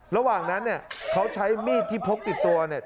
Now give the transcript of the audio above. ระหว่างนั้นเนี่ยเขาใช้มีดที่พกติดตัวเนี่ย